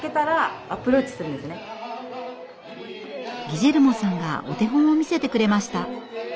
ギジェルモさんがお手本を見せてくれました。